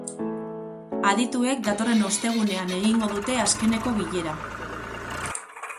Adituek datorren ostegunean egingo dute azkeneko bilera.